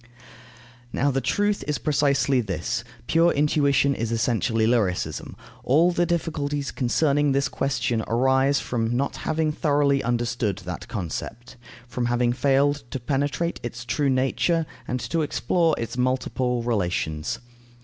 Now, the truth is precisely this: pure intuition is essentially lyricism. All the difficulties concerning this question arise from not having thoroughly understood that concept, from having failed to penetrate its true nature and to explore its multiple relations.